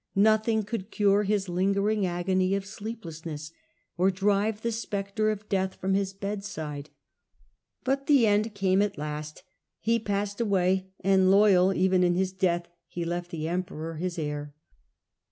Nothing could cure his lingering agony of sleeplessness or drive the spectre of death from his bedside. But the end came at last. He passed away, and, loyal even in his death, he left the Emperor his heir.